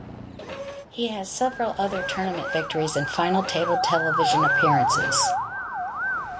He has several other tournament victories and final table television appearances.